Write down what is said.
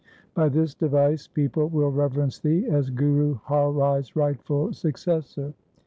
By this device people will reverence thee as Guru Har Rai's rightful suc cessor.